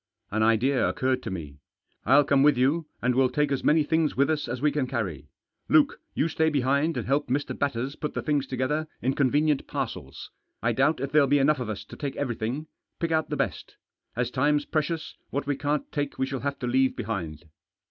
An idea occurred to me. "I'll come with you, and we'll take as many things with us as we can carry. Luke, you stay behind and help Mr. Batters put the things together in convenient parcels. I doubt if there'll be enough of us to take everything. Pick out the best. As time's precious, what we can't take we shall have to leave behind."